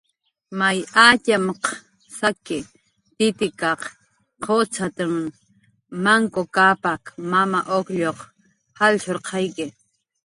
"May atxmaq saki, Titikak qucxat""mn Manku Kapak, Mama Uklluq salshurqayawi"